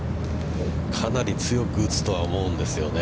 かなり強く打つとは思うんですよね。